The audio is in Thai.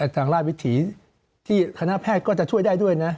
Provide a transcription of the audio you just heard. ทางราชวิถีที่คณะแพทย์ก็จะช่วยได้ด้วยนะ